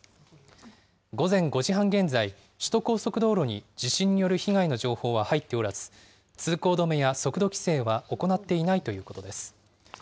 午前５時半現在、首都高速道路に地震による被害の情報は入っておらず、通行止めや速度規制は行っていないということです。